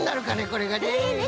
これがね。